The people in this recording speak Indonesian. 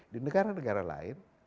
di negara negara lain